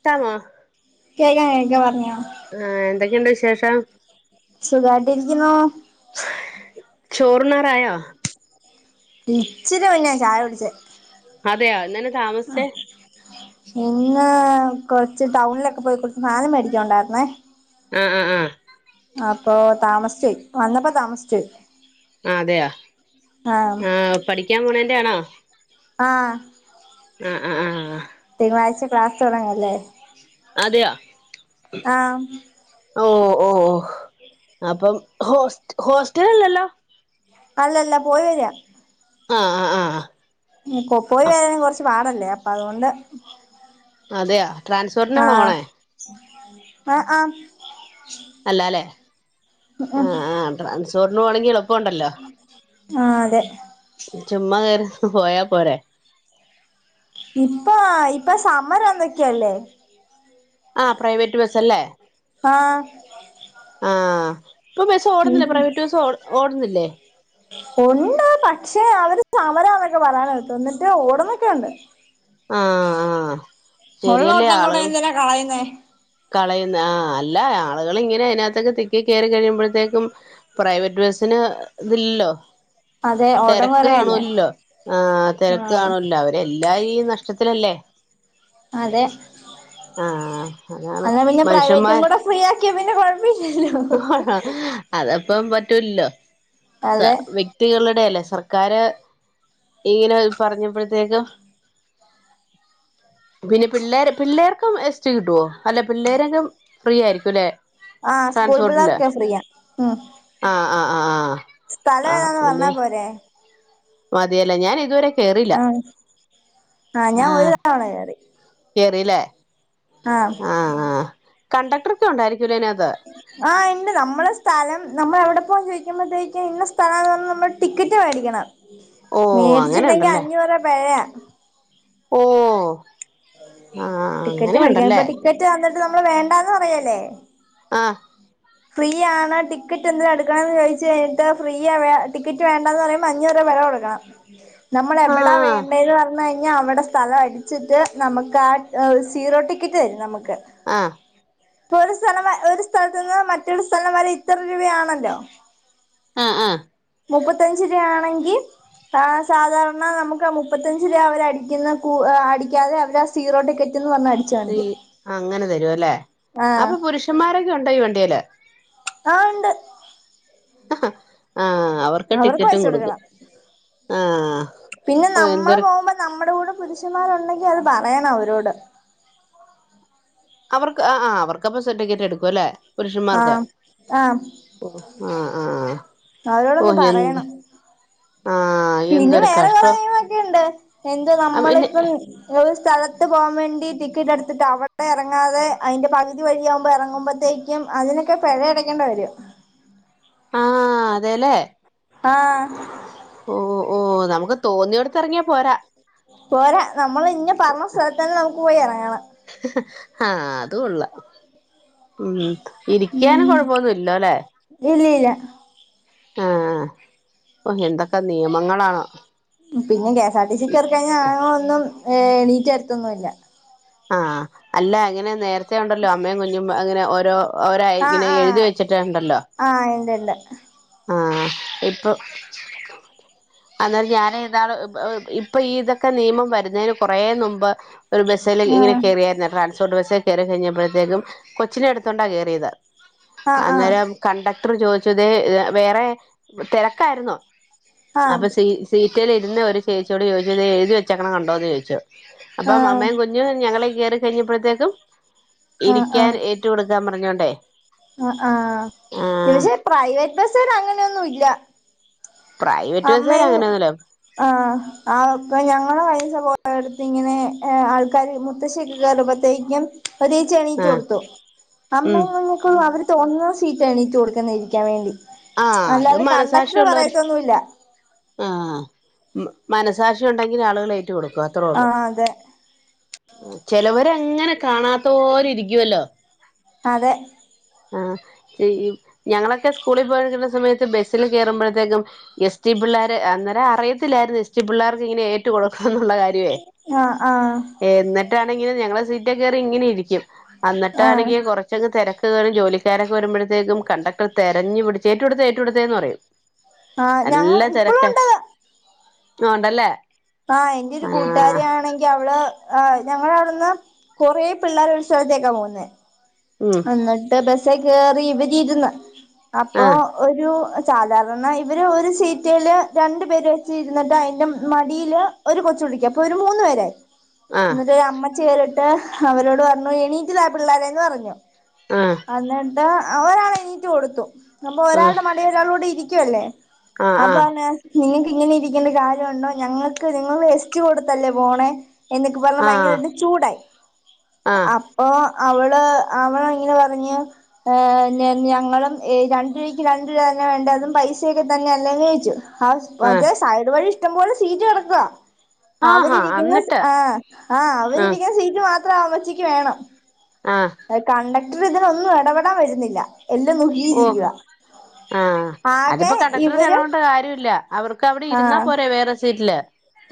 ഇട്ടാമോ cake കഴിക്കാൻ പറഞ്ഞോ? ആഹ് എന്തൊക്കെയുണ്ട് വിശേഷം. സുഖായിട്ട് ഇരിക്കുന്നു. ചോറ് ഉണ്ണാൻ ആയോ? ഇച്ചിരി മുന്നേയാ ചായ കുടിച്ചേ. അതെയോ എന്നാ. [unintelligible] ഇന്ന് കൊറച്ച് ടൗണിലൊക്കെ പോയി കൊറച്ച് സാനം മേടിക്കാ ഒണ്ടായിരുന്നേ ആഹ് ആഹ് അപ്പൊ താമസിച്ചൊയ് വന്നപ്പോ താമസിച്ചൊയ് ആഅതെയ ആ പഠിക്കാൻ പോണേന്റെയാണോ ആഹ് ആഹ് ആഹ് തിങ്കളാഴ്ച ക്ലാസ് തൊടങ്ങല്ലേ അതെയൊ ആഹ് ഓ ഓഹ് അപ്പം ഹോസ്റ്റ് ഹോസ്റ്റലല്ലല്ലോ അല്ലല്ല പോയി വരാ ആഹ് ആഹ് കൊ പോയി വരാൻ കൊറച്ച് പാടല്ലേ അപ്പൊ അതുകൊണ്ട് അതെയ ട്രാൻസ്ഫോറിനാണോ ആഹ് പോണേ ആഹ് ആഹ് അല്ലാലേ ഉം ഉം ആഹ് ട്രാൻസ്ഫോറിനോണെങ്കി എള്പ്പൊണ്ടല്ലോ ആഹ് അതെ ചുമ്മാകേറി ഹ്പോയാ പോരായ് ഇപ്പ ഇപ്പ സമ്മരോന്തെക്കേല്ലേ ആഹ് പ്രൈവറ്റ് ബസ്സല്ലേ ആഹ് ആഹ് ഇപ്പൊ ബസ്സോടുന്നില്ലെ പ്രൈവറ്റ് ബസ്സോട് ഓടുന്നില്ലേ ഒണ്ട് പക്ഷെ അവര് സമരാന്നെക്കെ പറയ്ന്നേട്ട് ന്ന്ട്ട് ഓടന്ന്ക്കെണ്ട് ആഹ് ആഹ് ഒള്ളോട്ടോം കൂടെ എന്തിനാ കളയുന്നേ കളയുന്ന് ആഹ് അല്ല ആളുകളിങ്ങനെ അതിനാത്തക്കെ തിക്കി കേറി കഴിയുമ്പോഴത്തേക്കും പ്രൈവറ്റ് ബസ് ത്ത്ന് ഇതില്ലോ അതെ ഓട്ടം തെരക്ക് കൊറയല്ലേ കാണുവല്ലോ ആഹ് തെരക്ക് ആഹ് കാണുവല്ലോ അവരെല്ലാം ഈ നഷ്ടത്തിലല്ലേ അതെ ആഹ് അതാണ് മനുഷ്യന്മാ ഫ്രിയാകിയ പിന്ന കൊഴ അ ഹ്ഹ അതപ്പം പറ്റൂൽലോ സ അതെ ക്തികളുടെയല്ലേ സർക്കാര് ഇങ്ങനെ പറഞ്ഞപ്പോഴത്തേക്ക് [inaudible] പിന്നെ പിള്ളേര് പിള്ളേർക്കും എസ്റ്റ് കിട്ടുവോ അല്ലെ പിള്ളേരെനും ഫ്രീയാരിക്കുലെ ആഹ് സ്കൂൾ പിള്ളേർക്കെ ഫ്രീയ ഉം ആഹ് ആഹ് ആഹ് ആഹ് സ്ഥലവേതാന്ന് പർനാ പോരെ മതിയല്ല ഞാനിതുവരെ ആഹ് ആഹ് ഞാ ഒരു തവണ കേറി കേറില്ലേ ആഹ് ആഹ് ആഹ് കണ്ടക്ടർക്കെ ഒണ്ടായിരിക്കൂലെ അയ്നാത്ത് ആഹ് ഇണ്ട് നമ്മളെ സ്ഥലം നമ്മൾ എവിടെ പോവാന്ന് ചോദിക്ക്മ്പോഴത്തേക്ക് ഇന്ന സ്ഥലാന്ന് പറഞ് നമ്മള് ടിക്കറ്റ് വേടിക്കണം ഓ അങ്ങനെ മേടിച്ചില്ലെങ്കി ഉണ്ടല്ലേ അഞ്ഞൂറുവ പെഴയാ ഓ ആഹ് ടിക്കറ്റ് മേടിക്കണം അങ്ങനെയുണ്ടല്ലേ ഇപ്പൊ ടിക്കറ്റ് തന്നിട്ട് നമ്മള് വേണ്ടാന്ന് പറയല്ലേ ആഹ് ഫ്രീ ആണ് ടിക്കറ്റെന്തിനാ എടുക്കണേന്ന് ചോയ്ച്ച് കഴിഞ്ഞിട്ട് ഫ്രീയ വേ ടിക്കറ്റ് വേണ്ടാന്ന് പറയുമ്പോ അഞ്ഞൂറുവ പെഴ കൊടുക്കണം നമ്മളെവിടാ ആഹ് വേണ്ടേന്ന് പറഞ്ഞഴിഞ്ഞാ അവിടെ സ്ഥലം അടിച്ചിട്ട് നമുക്കാ സീറോ ടിക്കറ്റ് തരും നമ്മക്ക് ആഹ് ഇപ്പൊ ഒരു സ്ഥലം ഒരു സ്ഥലത്തു നിന്ന് മറ്റൊരു സ്ഥലം വരെ ഇത്ര രൂപയാണല്ലോ? ആഹ് ആഹ് മുപ്പത്തഞ്ച് രൂയാണെങ്കിൽ ആ സാധാരണ നമുക്ക് മുപ്പത്തഞ്ച് രൂപ അവര് അടിക്കുന്ന കു അടിക്കാതെ അവര് സീറോ ടിക്കറ്റ് എന്ന് പറഞാടി ഇ അങ്ങനെ തരുവല്ലെ ആ അപ്പോ പുരുഷന്മാരൊക്കെ ഉണ്ടോ ഈ വണ്ടിയില് ആഹ്‌ ഉണ്ട് ആഹ്‌ അവർക്ക് ടിക്കറ്റും പൈസ കൊടുക്കും കൊടുക്കണം ആഹ് പിന്നെ ഓ നമ്മളെ എന്തൊരു പോകുമ്പോ നമ്മുടെ കൂടെ പുരുഷന്മാരുണ്ടെങ്കി അത് പറയണം അവരോട് അവർക്ക് ആ ആ അവർക്കപ്പ സർട്ടിക്കറ്റ് എടുക്കുംല്ലേ പുരുഷന്മാർക്ക് ആഹ് ആഹ് ആഹ് ആഹ്‌ ആഹ്‌ അവരോടൊന്ന് പറയണം ആഹ്‌ പിന്നെ വേറെ കുറെ നിയമൊക്കെ ഉണ്ട് എന്ത് ആഹ് പിന്നെ നമ്മളിപ്പം ങ്ങള് സ്ഥലത്ത് പോകാൻ വേണ്ടി ടിക്കറ്റ് എടുത്തിട്ട് അവിടെ ഇറങ്ങാതെ അതിന്റെ പകുതി വഴിയാകുമ്പോൾ ഇറങ്ങുമ്പഴത്തേക്ക് എംഅതിനൊക്കെ പിഴയടക്കേണ്ടി വരും ആഹ്‌ അതെ ലെ ആഹ് ഓ ഓ നമുക്ക് തോന്നിയ ടത്തറങ്ങിയാ പോരാ പോരാ നമ്മൾ ഇന്ന പറഞ്ഞ സ്ഥലത്തെന്നെ നമുക്ക് പോയി ഇറങ്ങണം ആഹ്‌ അത് കൊള്ള ഉം ഇരിക്കാനും കൊഴപ്പൊന്നുല്ല അല്ലെ? ഇല്ല ഇല്ല ആഹ് ഓ എന്തൊക്കെ നിയമങ്ങളാണോ പിന്നെ കെഎസ് ആർ ടി സി കഴിഞ്ഞാൽ ആണുങ്ങൾ ഒന്നും എണീറ്റ് തരത്തൊന്നുമില്ല ആഹ്‌ അല്ല അങ്ങനെ നേരത്തെ ഉണ്ടല്ലോ അമ്മയും കുഞ്ഞും അങ്ങനെ ഓരോ ഒരയി ആഹ് ഇങ്ങനെ എഴുതി ആഹ് വെച്ചിട്ടുണ്ടല്ലോ? ആഹ് ഇണ്ട് ഇണ്ട് ആഹ് ഇപ്പോ [unintelligible] അന്ന്ട്ട് ഞാന് ഇന്നാള് ഇപ്പോ ഈ ഇതൊക്കെ നിയമം വരുന്നതിന് കൊറെ മുൻപ് ഒരു ബസ്സൽ ഇങ്ങനെ ആഹ് കയറായിരുന്ന ട്രാൻസ്പോർട്ട് ബസ്സിൽ കയറി കഴിഞ്ഞ ഞപ്പോഴത്തേക്കും കൊച്ചിനെടുത്തൊണ്ടാണ് കയറിയത് ആഹ് അന്നേരം കണ്ടക്ടർ ചോദിച്ചു വേറെ തിരക്കായിരുന്നോ ആഹ് അപ്പോ സീ സീറ്റൽ ഇരുന്ന ഒരു ചേച്ചിയോട് ചോദിച്ചോ ഇത് എഴുതി വെച്ചക്കണ് കണ്ടോന്ന് ചോദിച്ചു അപ്പം ആഹ് അമ്മയും കുഞ്ഞു ഞങ്ങൾ കേയറി കഴിഞ്ഞപ്പോഴത്തേക്കും ഇരിക്കാൻ കൊടുക്കൻ പറഞ്ഞോണ്ടേ ആഹ്‌ ആഹ്‌ ആഹ് പക്ഷേ പ്രൈവറ്റ് ബസേല് അങ്ങനെയൊന്നും ഇല്ല പ്രൈവറ്റ് ബസ്സുകാര് അമ്മയും അങ്ങനെയൊന്നുമില്ല ആഹ്‌ ആഹ്‌ അപ്പം ഞങ്ങടെ പൈസ പോകുന്നിടത്ത് ഇങ്ങനെ ആൾക്കാർ മുത്തശ്ശിയൊക്കെ കയറുമ്പഴത്തേക്കും അതെ എണീ ആഹ് കൊടുത്തു ഉം അമ്മങ്ങളെക്കള്ളും അവർ തോന്നുന്ന സീറ്റ് എണീറ്റ് കൊടുക്കുന്ന ഇരിക്കാൻ വേണ്ടി ആഹ് അല്ലാതെ കണ്ടക്ടർ പറയത്തൊന്നുല്ല ആഹ്‌ മനസ്സാക്ഷി ഉണ്ടെങ്കിൽ ആളുകൾ ഏറ് റ്റു കൊടുക്കും അത്രേ ഉള്ളു ആഹ് അതെ ചെലവരങ്ങനെ കാണാത്തോര ഇരിക്കുവല്ലോ അതെ ആഹ്‌ ഞങ്ങളൊക്കെ സ്കൂളിൽ പോയിരിക്കുന്ന സമയത്ത് ബസ്സിൽ കയറുമ്പോഴത്തേക്കും എസ് ടി പിള്ളേർ അന്നേരം അറിയത്തിയിരുന്നു എസ് ടി പിള്ളേർക്ക് ഇങ്ങനെ ഏറ്റു കൊടുക്കും എന്നുള്ള കാര്യം ആഹ്‌ ആഹ്‌ എന്നിട്ടാണെങ്കിനും ഞങ്ങളെ സീറ്റ കയറി ഇങ്ങനെ ഇരിക്കും ആഹ് എന്നിട്ടാണെങ്കിൽ കൊറ തിരക്ക് കറും ജോലിക്കാരൊക്കെ വരുമ്പോഴത്തേക്കും കണ്ടക്ടർ തിരഞ്ഞു പിടച്ച് ഏറ്റടുതെ ഏറ്റടുത്തേന്ന് പറയും ആഹ് ഞങ്ങ നല്ല തിരക്ക ഇപ്പഴും ഉണ്ടത് ആണ്ടല്ലേ ആഹ എന്റെ ഒരു കൂട്ടുകാരി ണെങ്കിൽ അവള്് ഞങ്ങള അവിടുന്ന് കുറ പിള്ളേർ ഉത്സവത്തേക്കാ പോകുന്ന ഉം എന്നിട്ട് ബസ്സ കേറി ഇവരി ഇരുന്ന് അപ്പൊ ആഹ് ഒരു സാധാരണ ഇവര് ഒരു സീറ്റില് രണ്ട പേര് വെച്ചിരുന്നിട്ട് അതിന്റെ മടിയില് ഒരു കൊച്ചുളിക്കഅപ്പൊ ഒരു മൂന്ന് പേരായി ആഹ് എന്നിട്ട് അമ്മച്ച കേറിട്ട് അവരോട് പറഞ്ഞു എണീക്കല പിള്ളോരേന്ന് പറഞ്ഞു ആ എന്നിട്ട് ഒരാൾ എണീറ്റ് കൊടുത്തു നമ്മ ആഹ് ഒരാളുടെ മട ഒരാളോടെ ഇരിക്കുവല്ലേ അബ ആഹ് അല്ലെ നിങ്ങക്ക് ഇങ്ങനെ ഇരിക്കേണ്ട കാര്യമുണ്ടോ ഞങ്ങൾക്ക് നിങ്ങൾ എസ്റ്റ് കൊടുത്തല്ലേ പോണേ എന്നൊക്കെ പറഞ്ഞാ ആഹ് ഭയങ്കരട്ട ചൂടായി ആഹ് ആഹ് അപ്പൊ അവള് അവള ഇങ്ങനെ പറഞ്ഞു ഏ ഞങ്ങളും രണ്ടു രൂപയ്ക്ക് രണ്ടു രൂപ തന്നെ വേണ്ട അതും പൈസയൊക്കെ തന്നെയ അല്ലേ ചോയ്ച്ചു ഹൗ ആഹ് മറ്റേ സൈഡ് വഴി ഇഷ്ടം പോലെ സീറ്റ് കിടക്ക ആഹാ അവരിരിക്കുന്ന അന്നിട്ട് ആഹ ആ ആഹ് അവരിരിക്കുന്ന സീറ്റ് മാത്രം ആമ്മച്ചിക്ക് വേണം ആഹ കണ്ടക്ടർ ഇതിനൊന്നും ഇടപെടാൻ വരുന്നില്ല എല്ലാം നോക്കിയിരിക്ക ആഹ അതിപ്പോ കണ്ടക്ടർ ഇത കൊണ്ട് കാര്യമ ഇല്ല അവർക്ക് അവിടെ ഇരുന്നാ ആഹ് പോര വേറെ സീറ്റില്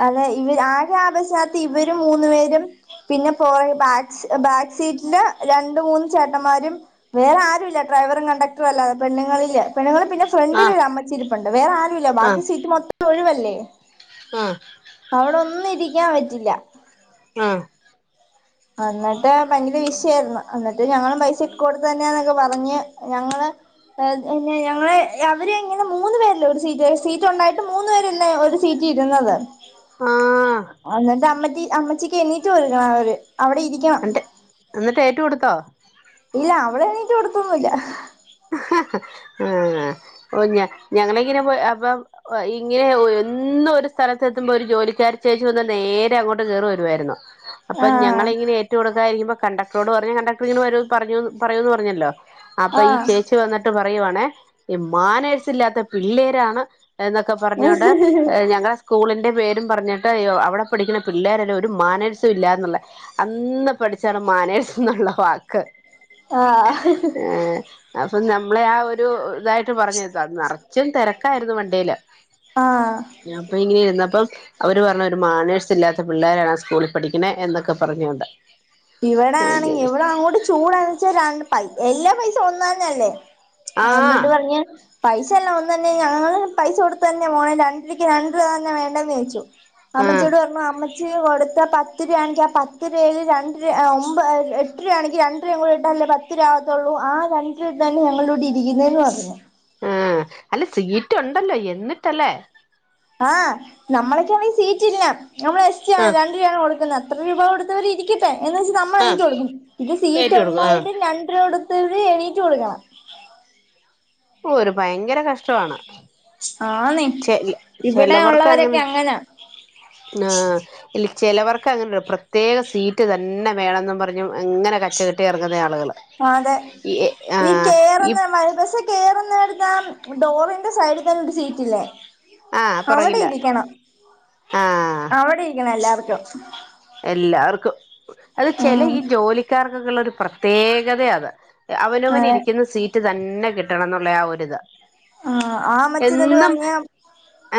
അതെ ഇവ ആ ആ ബസ്സി നകത്ത് ഇവരും മൂന്നു പേരും പിന്നെ പോയ ബാക്ക് ബാക്ക് സീറ്റില് രണ്ട മൂന്ന് ചേട്ടന്മാരും വേറെ ആരും ഇല്ല ഡ്രൈവറും കണ്ടക്ടറും അല്ല പെണുില് പെണ്ണ്ങ്ങൾ പിന്നെ ആഹ് ഫ്രണ്ടിലൊരു അമ്മച്ചിരിപ്പുണ്ട് വേറെ ആരുമല്ലോ ബാക്കി സീറ്റ് മൊത്തം ഒഴിവല്ലേ ആഹ അവിടൊന്നും ഇരിക്കാൻ പറ്റില്ല ആഹ എന്നിട്ട് ഭയങ്കര വിഷയായിരുന്നു എന്നിട്ട് ഞങ്ങളും പൈസ ഇക്ക കൊടുത്തു തന്നെയന്നൊക്കെ പറഞ്ഞ് ഞങ്ങള് പിന്നെ ഞങ്ങ അവര് ഇങ്ങനെ മൂന്ന പേരല്ലേ ഒരു സീറ്റ് സീറ്റ് ഉണ്ടായിട്ട് മൂന്ന് പേരല്ലേ ഒരു സീറ്റ് രുന്നത് ആഹ് എന്നിട്ട് അമ്മ അമ്മച്ചിക്ക് എണീറ്റ്ക്ക അവിടെ ഇരിക്കണം എന്നിട്ട് എന്നിട്ട് നീറ്റ് കൊടുത്തോ ഇല്ല അവള് നീറ്റ്കൊടുത്തൊന്നുംല്ല ആ ഓ ഞ ഞങ്ങള ഇങ്ങനെ പോ അപ്പൊ ഇങ്ങനെ ഒ എന്ന ഒരു സ്ഥലത്തെ എത്തുമ്പോ ഒരു ജോലിക്കാാര് ചേച്ചി വന്നാൽ നേരെ അങ്ങോട്ട് കേയറി വരുവായിരുന്നു അപ്പൊ ആഹ് ഞങ്ങളൾങ്ങന ഏറ്റ കൊടുക്കായിരിക്കുമ്പൊ കണ്ടക്ടറോട് പറയും കണ്ടക്ടർ ഒരോന്ന് പറയുന്ന് പറഞ്ഞല്ലോ അപ്പൊ ഈ ആഹ് ചേച്ചി വന്നിട്ട് പറയുവാണേ ഈ മാനേഴസ ഇല്ലാത്ത പിള്ളേരാണ് എന്നൊക്കെ പറഞ്ഞോൊണ്ട് ഞങ്ങള സ്കൂളിന്റെ പേരും പറഞ്ഞിട്ട് അവിടെ പഠിക്കുന്ന പിള്ളേരെ ല്ല ഒരു മാനേഴ്സും ഇല്ലന്നുള്ള അന്ന് പഠിച്ചാണ് മാനേഴ് സ് ന്നുള്ള വാക്ക് ആഹ് ആഹ് അപ്പൊ നമ്മളെ ആ ഒരു ഇതായി ട്ട് പറഞ്ഞിതാ നിറച്ചും തിരക്കായിരുന്നു വണ്ടിയില് ആഹ് അപ്പൊ ഇങ്ങനെ ഇരുന്നപ്പം അവര് പറഞ്ഞ് ഒരു മാനേഴ്സ് ഇല്ലാത്ത പിള്ളാരാണ് ആ സ്കൂളിൽ പഠിക്കണ എന്നൊക്കെ പറഞ്ഞോണ്ട് ഇവിടെ ആണെങ്കി ഇവിടെ അങ്ങോട്ട് ചൂടാന്ന് വെച്ചാ ര പൈ എല്ലാ പൈസ ഒന്ന്തന്നല്ലേ ആഹ് എന്നിട്ട് പറഞ്ഞെ പൈസ എല്ലാം ഒന്ന് തന്നെ ഞങ്ങൾ പൈസ കൊടുത്തു തന്നെ പോണേ രണ്ടരക്ക് രണ്ട് തവണ തന്നെ വേണ്ടന്ന് ചോയ്ച്ചു ആഹ് അമ്മച്ചിയോട് പറഞ്ഞാ അമ്മച്ചി കൊടുത്ത പത്ത് രൂപയാണെങ്കി ആഹ് പത്ത് രുപയിൽ ര ആഹ് ഒമ്പ് എട്ടുരൂപയാണെങ്കിൽ രണ്ടുരൂപ കൂടെ ഇട്ടാലല്ലേ പത്തിരൂപ ആകത്തുള്ളൂ ആ രണ്ട് ഇതാണ് ഞങ്ങളൂടെ ഇരിക്കുന്നതിന് പറഞ്ഞ് ആഹ് അല്ല സീറ്റ് ഉണ്ടല്ലോ എന്നിട്ടല്ലേ ആഹ് നമ്മളെക്കാണെ സീറ്റില്ല നമ്മൾ എസ്റ്റിയാണ് ആഹ് രണ്ടുരൂപയാണ് കൊടുക്കുന്നത് [unintelligible] രൂപ കൊടുത്തവര് ഇരിക്കട്ടെ എന്ന് വെച്ച് നമ്മ ആഹ് എണിറ്റു കൊടുക്കും. ഇത് സീറ്റ് ഏറ്റു കൊടുക്കും ഉണ്ടായിട്ടും ആഹ് രണ്ടുരൂപ കൊടു [unintelligible] എണീറ്റ് കൊടുക്കണം. ഓ ഒരു ഭയങ്കര കഷ് ഇഷ്‌ടവാണ്. ആന്നെ ചെരി ഇവിടെ ചെലവർക്ക് ഉള്ളവരൊക്കെ അങ്ങനെ അങ്ങനാ ആഹ് ഇല്ല ചിലവർക്ക് അങ്ങനെ പ്രത്യേക സീറ്റ് തന്നെ വേണമെന്നും പറ ഞ്ഞ് ഇങ്ങനെ കച്ചകെട്ടി ഇറങ്ങുന്ന ആളുകള് അതെ ആഹ്. ഈ കേറുന്നെടുത്താ ഡോറിന്റെ സൈഡിൽ തന്നെ ഒരു സീറ്റില്ലേ. ആഹ് അവിടെ പുറകില ഇരിക്കണം. ആഹ് അവിടെ ഇരിക്കണം എല്ലാവർക്കും. എല്ലാവർക്കും. അത് ചെല ഉം ഈ ജോലിക്കാർക്കൊക്കെ ഉള്ള ഒരു പ്രത്യേകതയതാ അത്. അവനവന് അതെ ഇരിക്കുന്ന സീറ്റ് തന്നെ കിട്ടണം എന്നുള്ള ആ ഒരിതാ. ആഹ് ആ അമ്മച്ചി തന്നെ എന്നിട്ട് പറഞ്ഞെ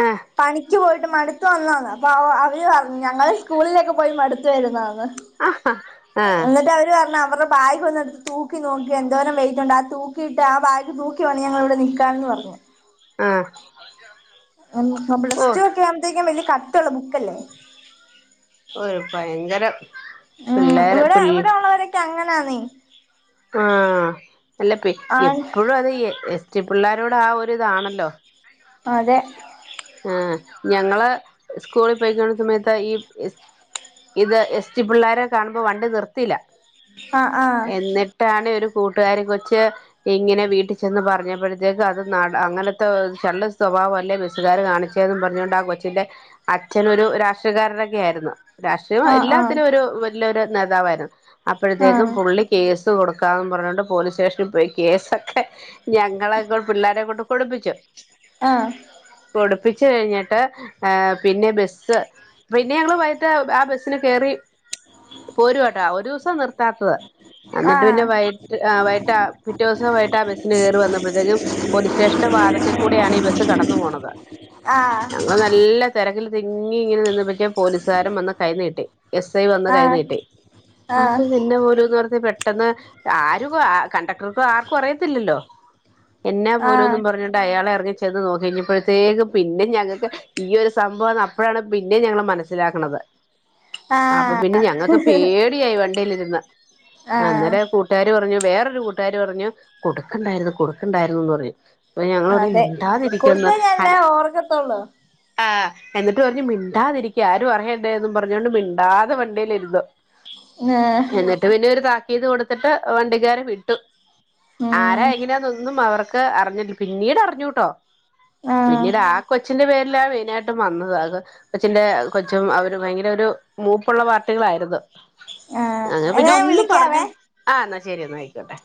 ആഹ് പണിക്ക് പോയിട്ട് മടുത്തു വന്നതാന്ന്. അപ്പൊ അവര് പറഞ്ഞു ഞങ്ങള് സ്കൂളിലൊക്കെ പോയി മടുത്തു വരുന്നതാന്ന്. ആഹ് ആഹ് എന്നിട്ട് അവര് പറഞ്ഞ് അവർടെ ബാഗ് ഒന്ന് എടുത്ത് തൂക്കി നോക്കിയെ, എന്തോരം വെയിറ്റുണ്ടെ ആ തൂക്കിയിട്ട ആ ബാഗ് തൂക്കിവേണം ഞങ്ങളിവിടെ നിൽക്കാനെന്ന് പറഞ്ഞു. ആഹ് ഓ പ്ലസ്ടു ഒക്കെ ആവുമ്പോഴത്തേക്കും വലിയ കട്ടിയുള്ള ബുക്കല്ലേ. ഒരു ഭയങ്കരം പിള്ളേര് പി പ്പ അങ്ങനാന്നെ. ആഹ് അല്ല പെ ആ എപ്പോഴും അത് എസ് ടി പിള്ളോരോട് ആ ഒരു ഇതാണല്ലോ. അതെ ആഹ് ഞങ്ങള് സ്കൂളിൽ പോയിക്കൊണ്ടിരിക്കുന്ന സമയത്ത്. ഈ എസ് ഇത് എസ് റ്റി പിള്ളാരെ കാണുമ്പോ വണ്ടി നിർത്തില്ല. ആ ആ എന്നി ട്ടാണ് ഒരു കൂട്ടുകാരി കൊച്ച് ഇങ്ങനെ വീട്ടിൽ ചെന്ന് പറഞ്ഞപ്പോഴത്തേക്ക്, അത് നട അങ്ങനത്തെ ചള്ള് സ്വഭാവം അല്ലേ ബെസ്സുകാർ കാണി ച്ചേന്നും പറഞ്ഞുകൊണ്ട് ആഹ് കൊച്ചിന്റെ അച്ഛനൊരു രാഷ്ട്രീയക്കാരനൊക്കെ ആയിരുന്നു. രാഷ്ട്രീയം ആ ആ എല്ലാത്തിനും ഒരു വലിയ ഒരു നേതാവായിരുന്നു. ആ അപ്പോഴത്തേക്കും പുള്ളി കേസ് കൊടുക്കാന്ന് പറഞ്ഞോണ്ട് പോലീസ് സ്റ്റേഷനിൽ പോയി കേസൊക്കെ, ഞങ്ങളെക്കൊ പിള്ളേരെകൊണ്ട് കൊടുപ്പിച്ചു. ആഹ് കൊടുപ്പിച്ചു കഴിഞ്ഞിട്ട്. പിന്നെ ബസ് പിന്നെ ഞങ്ങള് വൈ കിട്ട് ആ ബസ്സിന് കയറി പോരുവാട്ടോ. ഒരു ദിവസം നിർത്താത്തത്. ആ ആ എന്നിട്ട് പിന്നെ വൈകിട്ട് വൈകിട്ട് ആഹ് പിറ്റേ ദിവസം വൈകിട്ട് ആ ബസ്സിന് കയറി വന്നപ്പോഴത്തേക്കും, പോലീസ് സ്റ്റേഷന്റെ വാതക്കെ കൂടിയാണ് ഈ ബസ്സ് കടന്നു പോണത്. ആഹ് നല്ല തിരക്കിൽ തിങ്ങി ഇങ്ങനെ നിന്ന് പക്ഷേ പോലീസുകാരൻ വന്ന് കൈ നീട്ടി. എസ് ഐ വന്ന് ആ കൈ നീട്ടി. ആ അപ്പൊ നിന്നെ പോലുന്ന് പറഞ്ഞ് പെട്ടെന്ന്, ആരുക കണ്ടക്ടർക്കും ആർക്കും അറിയത്തില്ലല്ലോ. എന്നാ പോലുന്നും പറഞ്ഞി ണ്ട്‌ അയാളെറങ്ങി ചെന്ന് നോക്കി കഴിഞ്ഞപ്പോഴത്തേക്കും, പിന്നെ ഞങ്ങൾക്ക് ഈ ഒരു സംഭവാന്ന് അപ്പോഴാണ് പിന്നെ ഞങ്ങള് മനസ്സിലാക്കണത്. ആ അപ്പൊ പിന്നെ ഞങ്ങക്ക് പേടിയായി വണ്ടിലിരുന്ന്. ആ അന്നേര ആ കു ട്ടാരി പറഞ്ഞു വേറൊരു കൂട്ടുകാര് പറഞ്ഞു കൊടുക്കണ്ടായിരുന്നു, കൊടുക്കണ്ടായിരുന്നു ന്ന് പറഞ്ഞു. അപ്പൊ ഞങ്ങള് പറഞ്ഞു അതെ കൊടുത്ത മിണ്ടാതിരിക്കെന്ന് ഞാനല്ല അന ഓർക്കത്തുള്ളൂ ആഹ് എന്നിട്ട് പറഞ്ഞ് മിണ്ടാതിരി ക്ക ആരും അറിയണ്ടേ എന്നും പറഞ്ഞോണ്ട് മിണ്ടാതെ വണ്ടിയിലിരുന്നു. ഏഹ് ന്നിട്ട് പിന്നെ ഒരു താക്കീത് കൊടുത്തിട്ട് വണ്ടിക്കാരെ വിട്ടു. ആരാ ഉം എങ്ങനെയാന്നൊന്നും അവർക്ക് ത് അറിഞ്ഞിട്ട് പിന്നീട് അറിഞ്ഞൂട്ടോ ആഹ് പിന്നീടാ കൊച്ചിന്റെ പേരില മെയിനായിട്ടും വന്നത് ആഹ് കൊച്ചിന്റെ, കൊച്ചും അവര് ഭയങ്കര ഒരു മൂപ്പുള്ള പാർട്ടികളായിരുന്നു. ആഹ് ഞങ്ങ എന്നാ പിന്നെ ഞാൻ ഒന്നും പറഞ്ഞു വിളിക്കാവേ ആഹ് എന്നാ ശരി എന്നാ അയിക്കോട്ടെ.